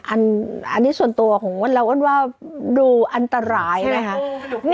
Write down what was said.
อันนี้ส่วนตัวของเราว่าดูอันตรายนะฮะ